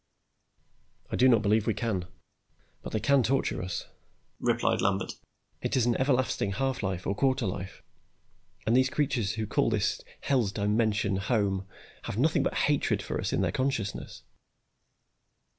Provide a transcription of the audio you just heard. "I do not believe we can. But they can torture us," replied Lambert. "It is an everlasting half life or quarter life, and these creatures who call this Hell's Dimension home, have nothing but hatred for us in their consciousness."